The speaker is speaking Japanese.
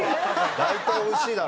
大体おいしいだろ。